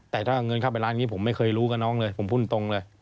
แต่ถ้าเงินเข้าไปร้านนี้ผมไม่เคยรู้กับน้องเลยผมพูดตรงเลย